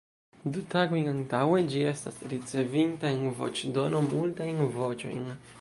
Du tagojn antaŭe, ĝi estas ricevinta, en voĉdono, multajn voĉojn.